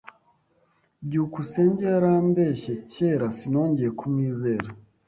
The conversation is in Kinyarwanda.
byukusenge yarambeshye kera, sinongeye kumwizera.